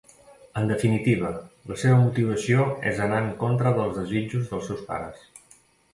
En definitiva, la seva motivació és anar en contra dels desitjos dels seus pares.